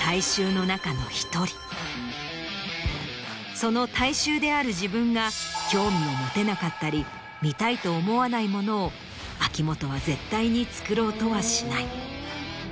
その大衆である自分が興味を持てなかったり見たいと思わないものを秋元は絶対に作ろうとはしない。